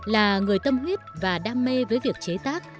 là người tâm huyết và đam mê với việc chế tác